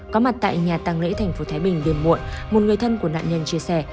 có mặt tại nhà tăng lễ tp thái bình điền muộn một người thân của nạn nhân chia sẻ